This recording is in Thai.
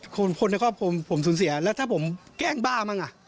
คนคนในครอบครัวผมสูญเสียแล้วถ้าผมแกล้งบ้ามั่งอ่ะ